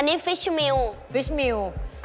อันนี้ฟิชมิล